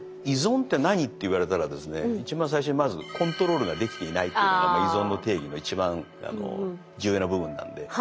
依存って何って言われたらですね一番最初にまずコントロールができていないというのが依存の定義の一番重要な部分なんで。